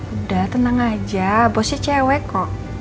udah tenang aja bosnya cewek kok